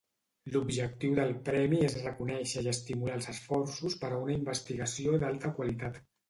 L’objectiu del Premi és reconèixer i estimular els esforços per a una investigació d'alta qualitat.